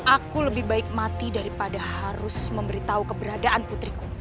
aku lebih baik mati daripada harus memberitahu keberadaan putriku